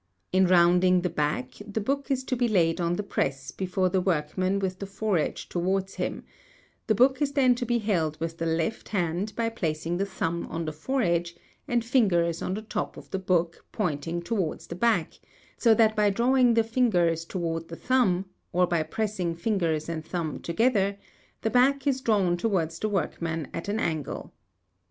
In rounding the back, the book is to be laid on the press before the workman with the foredge towards him; the book is then to be held with the left hand by placing the thumb on the foredge and fingers on the top of the book pointing towards the back, so that by drawing the fingers towards the thumb, or by pressing fingers and thumb together, the back is drawn towards the workman at an angle.